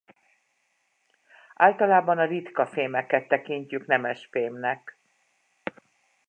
Általában a ritka fémeket tekintjük nemesfémnek.